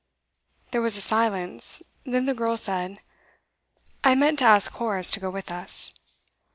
There was a silence, then the girl said: 'I meant to ask Horace to go with us.